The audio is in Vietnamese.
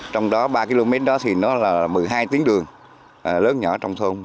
trong đó ba km là một mươi hai tiếng đường lớn nhỏ trong thôn